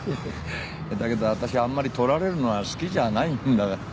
だけど私あんまり撮られるのは好きじゃないんだが。